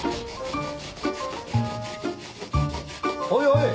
おいおい。